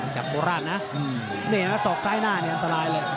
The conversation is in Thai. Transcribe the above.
จับโกราชนะนี่นะสอกซ้ายหน้าเนี่ยอันตรายเลย